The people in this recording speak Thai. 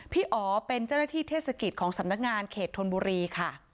อ๋อเป็นเจ้าหน้าที่เทศกิจของสำนักงานเขตธนบุรีค่ะ